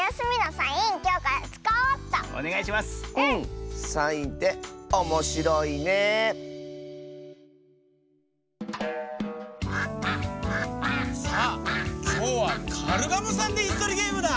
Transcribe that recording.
さあきょうはカルガモさんでいすとりゲームだ。